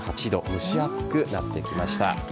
蒸し暑くなってきました。